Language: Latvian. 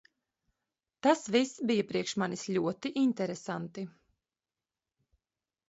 Tas viss bija priekš manis ļoti interesanti.